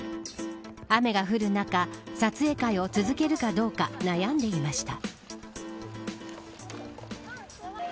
雨が降る中撮影会を続けるかどうか悩んでいました。